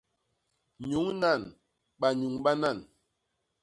Nyuñ nan; banyuñ banan.